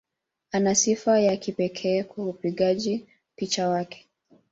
Ana sifa ya kipekee kwa upigaji picha wake.